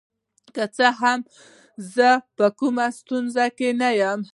که څه هم زه په کومه ستونزه کې نه یم.